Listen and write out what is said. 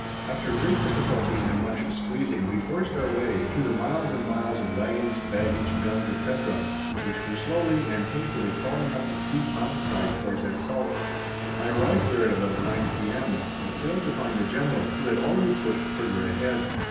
After great difficulty and much squeezing we forced our way through the miles and miles of wagons, baggage, guns, etc., which were slowly and painfully crawling up the steep mountain side towards Es Salt. I arrived there at about 9 p.m., but failed to find the General, who had already pushed further ahead.